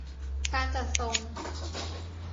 การจัดส่ง